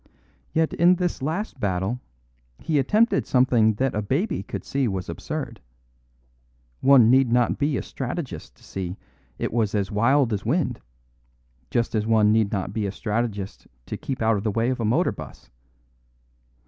Yet in this last battle he attempted something that a baby could see was absurd. One need not be a strategist to see it was as wild as wind; just as one need not be a strategist to keep out of the way of a motor bus.